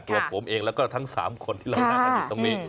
ตัวผมเองแล้วก็ทั้ง๓คนที่เรานั่งกันอยู่ตรงนี้